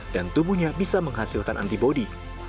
dan tubuhnya bisa menghasilkan antibody